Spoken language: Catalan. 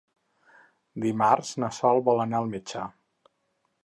Dimarts na Sol vol anar al metge.